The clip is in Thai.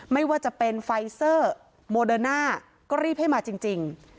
ไม่ว่าจะเป็นไฟเซอร์โมเดอร์น่าก็รีบให้มาจริง